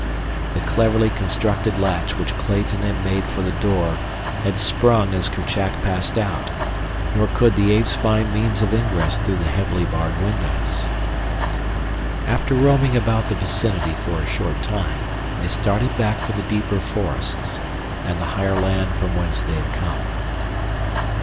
The cleverly constructed latch which Clayton had made for the door had sprung as Kerchak passed out; nor could the apes find means of ingress through the heavily barred windows. After roaming about the vicinity for a short time, they started back for the deeper forests and the higher land from whence they had come.